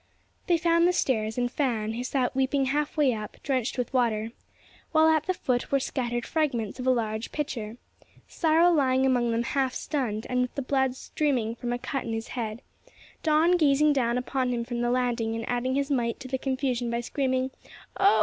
They found the stairs, and Fan, who sat weeping half way up, drenched with water; while at the foot were scattered fragments of a large pitcher, Cyril lying among them half stunned and with the blood streaming from a cut in his head; Don gazing down upon him from the landing and adding his mite to the confusion by screaming, "Oh!